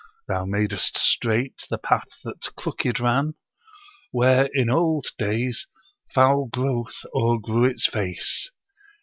Thou madest straight the path that crooked ran Where in old days foul growth o'ergrew its face.